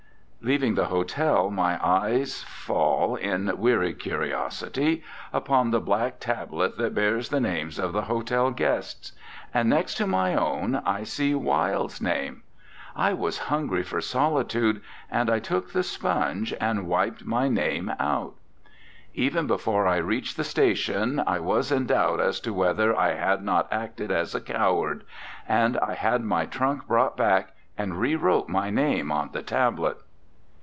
Leaving the hotel, my eyes fall, in weary curiosity, upon the black tablet that bears the names of the hotel guests. And next to my own I see Wilde's name. I was hungry for solitude, and I took the sponge and wiped my name out. RECOLLECTIONS OF OSCAR WILDE Even before I reached the station I was in doubt as to whether I had not acted as a coward, and I had my trunk brought back, and re wrote my name on the tablet.